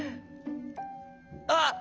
あっ！